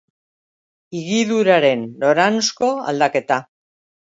Higiduraren noranzko-aldaketa